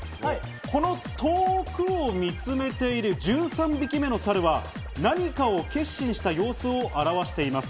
この遠くを見つめている１３匹目の猿は何かを決心した様子を表しています。